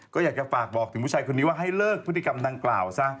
ก็อยากจะฝากบอกถึงผู้ชายคนนี้ว่าให้เลิกพฤติกรรมดังกล่าวซะ